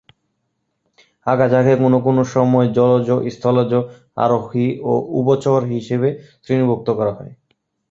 আগাছাকে কোনো কোনো সময় জলজ, স্থলজ, আরোহী ও উভচর হিসেবে শ্রেণিভুক্ত করা হয়।